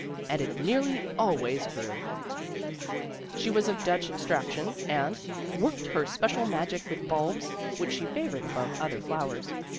And it nearly always grew !" She was of Dutch extraction and "worked her spe cial magic with bulbs, which she favored above other flowers.